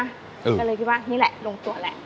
ก็เลยคิดว่านี่แหละลงตัวแหละ